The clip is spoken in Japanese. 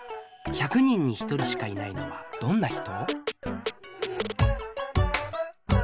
１００人に１人しかいないのはどんな人？